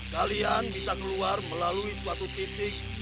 kalian bisa keluar melalui suatu titik